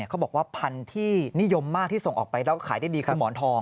เขาบอกว่าพันธุ์ที่นิยมมากที่ส่งออกไปแล้วขายได้ดีคือหมอนทอง